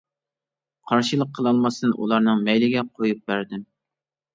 قارشىلىق قىلالماستىن ئۇلارنىڭ مەيلىگە قويۇپ بەردىم.